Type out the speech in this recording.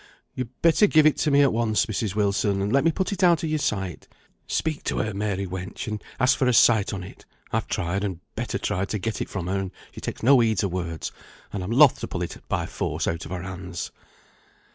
"Yo'd better give it me at once, Mrs. Wilson, and let me put it out of your sight. Speak to her, Mary, wench, and ask for a sight on it; I've tried, and better tried to get it from her, and she takes no heed of words, and I'm loth to pull it by force out of her hands."